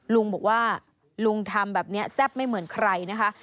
ลุงบอกว่าลุงทำแบบนี้แซ่บไม่เหมือนใครนะคะ